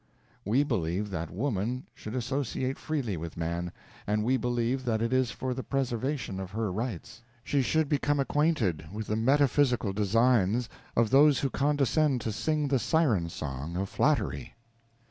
We believe that Woman should associate freely with man, and we believe that it is for the preservation of her rights. She should become acquainted with the metaphysical designs of those who condescended to sing the siren song of flattery.